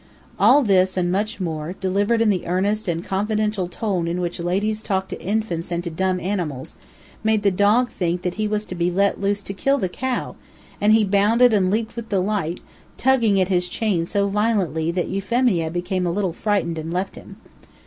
All this and much more, delivered in the earnest and confidential tone in which ladies talk to infants and dumb animals, made the dog think that he was to be let loose to kill the cow, and he bounded and leaped with delight, tugging at his chain so violently that Euphemia became a little frightened and left him.